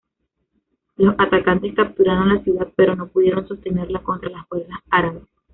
Los atacantes capturaron la ciudad pero no pudieron sostenerla contra las fuerzas árabes.